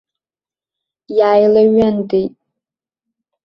Иааилаҩынтит.